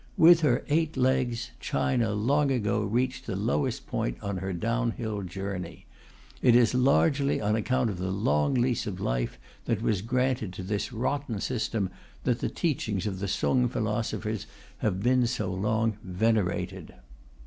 With her "Eight Legs," China long ago reached the lowest point on her downhill journey. It is largely on account of the long lease of life that was granted to this rotten system that the teachings of the Sung philosophers have been so long venerated.